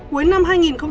cuối năm hai nghìn một mươi